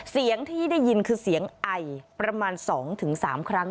เสียงที่ได้ยินคือเสียงไอประมาณสองถึงสามครั้ง